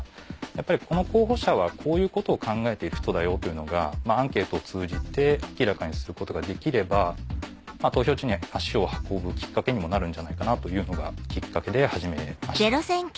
やっぱりこの候補者はこういうことを考えている人だよというのがアンケートを通じて明らかにすることができれば投票地に足を運ぶきっかけにもなるんじゃないかなというのがきっかけで始めました。